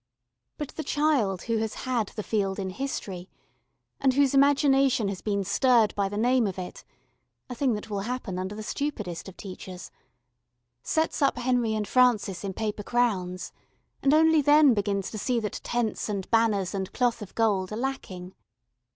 But the child who has "had" the Field "in History," and whose imagination has been stirred by the name of it a thing that will happen under the stupidest of teachers sets up Henry and Francis in paper crowns and only then begins to see that tents and banners and cloth of gold are lacking.